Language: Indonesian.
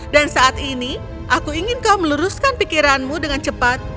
dan saat ini aku ingin kau meluruskan pikiranmu dengan cepat